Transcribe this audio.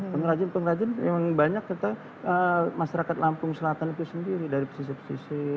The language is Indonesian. pengrajin pengrajin memang banyak kita masyarakat lampung selatan itu sendiri dari pesisir pesisir